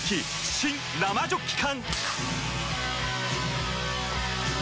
新・生ジョッキ缶！